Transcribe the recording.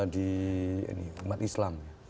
di umat islam